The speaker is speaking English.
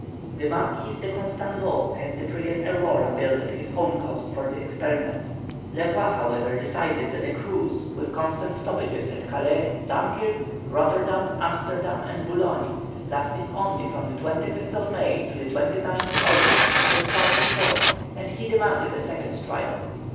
The Marquis de Constanvaux had the frigate Aurora built at his own cost for this experiment. Le Roy, however, decided that a cruise, with constant stoppages, at Calais, Dunkirk, Rotterdam, Amsterdam and Boulogne, lasting only from the 25th of May to the 29th of August, was far too short, and he demanded a second trial.